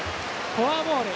フォアボール。